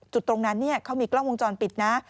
จุดตรงนั้นเขามีกล้องวงจรปิดนะ